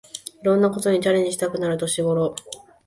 いろんなことにチャレンジしたくなる年ごろ